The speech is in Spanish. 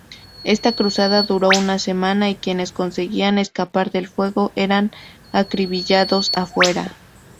Esta cruzada duró una semana y quienes conseguían escapar del fuego, eran acribillados afuera.